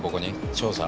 調査？